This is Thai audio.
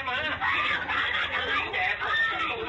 บางอากาศบางใกล่